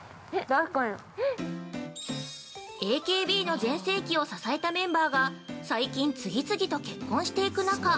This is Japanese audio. ◆ＡＫＢの全盛期を支えたメンバーが最近、次々と結婚していく中